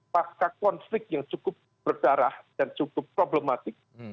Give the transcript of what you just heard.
pasca konflik yang cukup berdarah dan cukup problematik